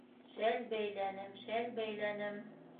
Шәл бәйләнем, шәл бәйләнем